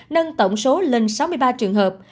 nâng tổng số lên sáu mươi ba trường hợp